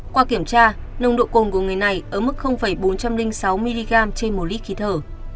qua kiểm tra nồng độ cồn của người này ở mức bốn trăm linh sáu mg trên một lít khí thở